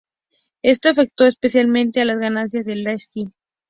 Esto afectó especialmente a las ganancias de Lansky.